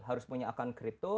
harus punya account kripto